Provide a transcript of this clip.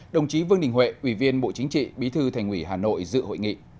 đồng chí vương đình huệ ủy viên bộ chính trị bí thư thành ủy hà nội dự hội nghị